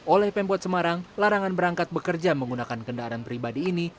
oleh pempot semarang larangan berangkat bekerja menggunakan kendaraan pribadi ini